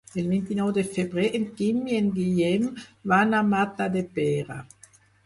El vint-i-nou de febrer en Quim i en Guillem van a Matadepera.